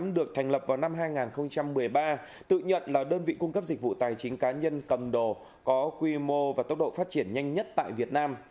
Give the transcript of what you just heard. được thành lập vào năm hai nghìn một mươi ba tự nhận là đơn vị cung cấp dịch vụ tài chính cá nhân cầm đồ có quy mô và tốc độ phát triển nhanh nhất tại việt nam